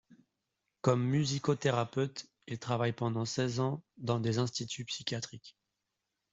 Comme musicothérapeute, il travaille pendant seize ans dans des instituts psychiatriques.